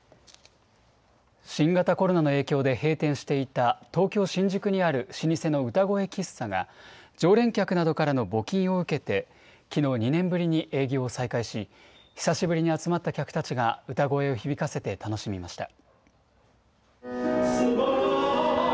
新型コロナの影響で閉店していた東京・新宿にある老舗の歌声喫茶が、常連客などからの募金を受けて、きのう、２年ぶりに営業を再開し、久しぶりに集まった客たちが歌声を響かせて楽しみました。